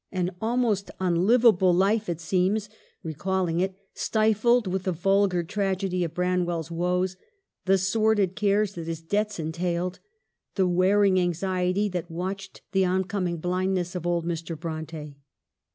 An almost unlivable life it seems, recalling it, stifled with the vulgar tragedy of Branwell's woes, the sordid cares that his debts entailed, the wearing anxiety that watched the oncoming blindness of old Mr. Bronte.